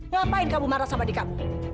ngapain kamu marah sama di kamu